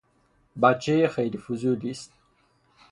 بچۀ خیلی فضولیست